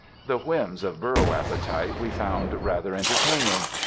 The whims of burro appetite we found rather entertaining.